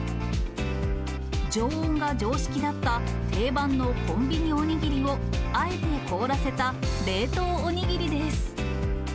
常温が常識だった定番のコンビニおにぎりをあえて凍らせた冷凍おにぎりです。